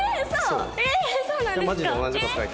そうなんですか？